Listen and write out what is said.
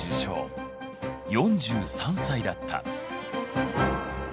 ４３歳だった。